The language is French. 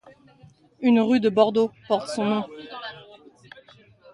Une rue de Bordeaux porte son nom.